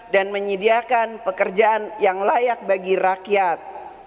dan menyediakan pekerjaan yang layak bagi rakyat